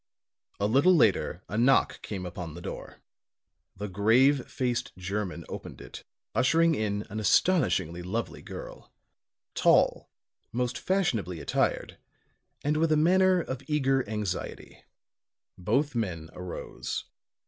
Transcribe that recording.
A little later a knock came upon the door. The grave faced German opened it, ushering in an astonishingly lovely girl; tall, most fashionably attired and with a manner of eager anxiety. Both men arose.